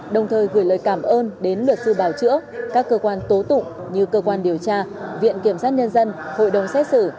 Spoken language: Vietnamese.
đồng thời gửi lời cảm ơn đến luật sư bào chữa các cơ quan tố tụng như cơ quan điều tra viện kiểm sát nhân dân hội đồng xét xử